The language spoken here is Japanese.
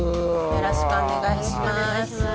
よろしくお願いします。